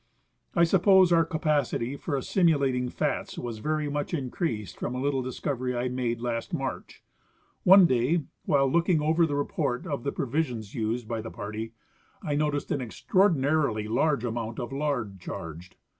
I suppose our capacity for assimilating fats was very much increased from a little discovery I made last March. One day, while looking over the report of the provisions used by the party, I noticed an extraordinarily large amount of lard charged.